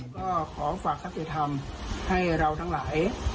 ก็ขอฝากคติธรรมให้เราทั้งหลาย